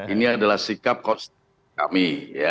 ini adalah sikap kami